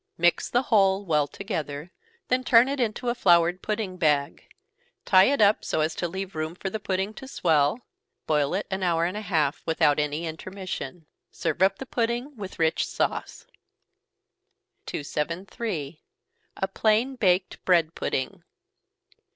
Mix the whole well together, then turn it into a floured pudding bag tie it up, so as to leave room for the pudding to swell boil it an hour and a half, without any intermission. Serve up the pudding with rich sauce. 273. _A Plain Baked Bread Pudding.